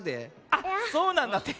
あっそうなんだって。